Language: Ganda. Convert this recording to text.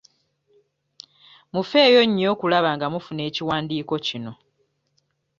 Mufeeyo nnyo okulaba nga mufuna ekiwandiiko kino.